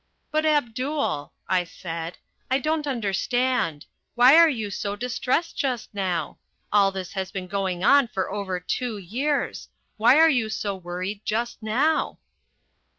"But, Abdul," I said, "I don't understand. Why are you so distressed just now? All this has been going on for over two years. Why are you so worried just now?"